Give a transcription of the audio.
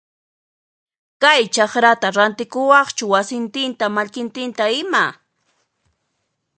Kay chakrata rantikuwaqchu wasintinta mallkintinta ima?